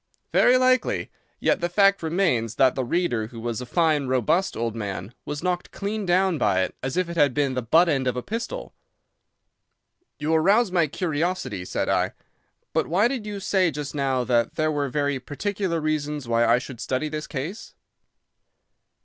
"Very likely. Yet the fact remains that the reader, who was a fine, robust old man, was knocked clean down by it as if it had been the butt end of a pistol." "You arouse my curiosity," said I. "But why did you say just now that there were very particular reasons why I should study this case?"